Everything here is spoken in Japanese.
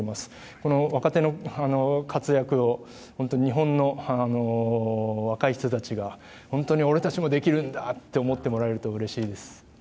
この若手の活躍を日本の若い人たちが本当に俺たちもできるんだと思ってもらえるとうれしいです。